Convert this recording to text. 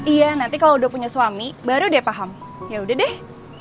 iya nanti kalau udah punya suami baru dia paham yaudah deh